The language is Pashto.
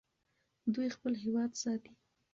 دوی خپل هېواد ساتي.